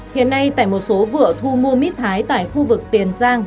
hiện nay tại một số vựa thu mua mít thái tại khu vực tiền giang